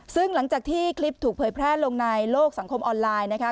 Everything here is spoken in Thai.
ซึ่งหลังจากที่คลิปถูกเผยแพร่ลงในโลกสังคมออนไลน์นะคะ